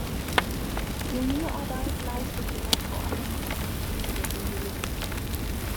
Pionierarbeit leistete er vor allem auf dem Gebiet der Sinologie.